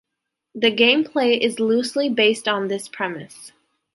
The gameplay is loosely based on this premise.